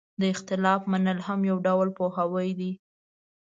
د اختلاف منل هم یو ډول پوهاوی دی.